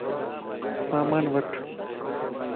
سامان وٺ